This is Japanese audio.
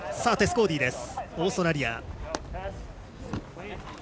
テス・コーディ、オーストラリア。